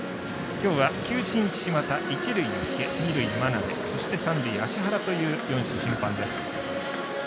今日は球審、嶋田一塁、福家二塁、眞鍋そして三塁、芦原という４種審判です。